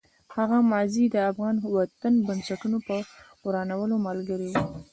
هغه ماضي د افغان وطن د بنسټونو په ورانولو ملګرې وه.